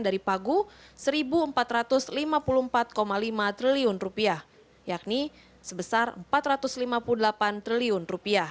dari pagu rp satu empat ratus lima puluh empat lima triliun yakni sebesar rp empat ratus lima puluh delapan triliun